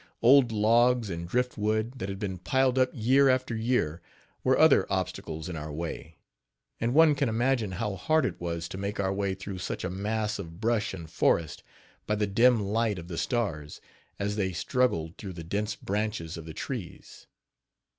Old logs and driftwood, that had been piled up year after year, were other obstacles in our way; and one can imagine how hard it was to make our way through such a mass of brush and forrest by the dim light of the stars as they struggled through the dense branches of the trees.